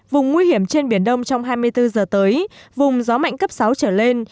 vùng nguy hiểm trên biển đông trong hai mươi bốn giờ tới vùng gió mạnh cấp sáu trở lên